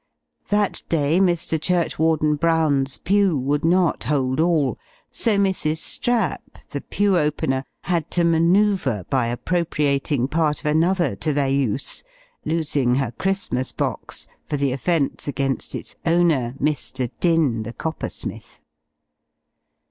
That day Mr. Churchwarden Brown's pue would not hold all, so Mrs. Strap, the pue opener, had to manoeuvre by appropriating part of another to their use, losing her Christmas box for the offence against its owner, Mr. Din, the copper smith.